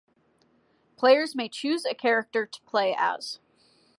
Players may choose a character to play as.